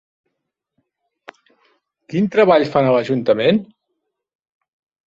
Quin treball fan a l'Ajuntament?